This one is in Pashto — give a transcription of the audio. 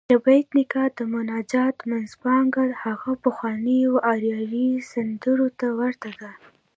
د بېټ نیکه د مناجات منځپانګه هغه پخوانيو اریايي سندرو ته ورته ده.